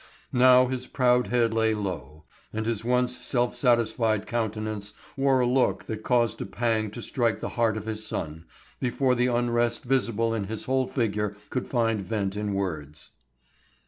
Now his proud head lay low, and his once self satisfied countenance wore a look that caused a pang to strike the heart of his son, before the unrest visible in his whole figure could find vent in words.